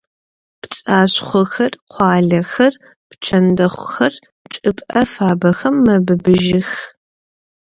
Пцӏашхъохэр, къуалэхэр, пчэндэхъухэр чӏыпӏэ фабэхэм мэбыбыжьых.